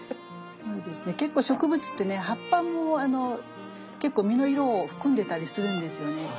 結構植物ってね葉っぱも実の色を含んでたりするんですよね。